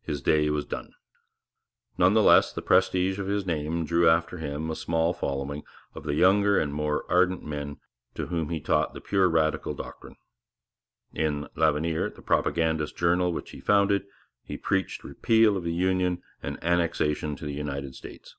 His day was done. None the less, the prestige of his name drew after him a small following of the younger and more ardent men to whom he taught the pure Radical doctrine. In L'Avenir, the propagandist journal which he founded, he preached repeal of the Union and annexation to the United States.